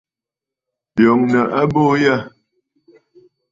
Yòŋə abuu yâ.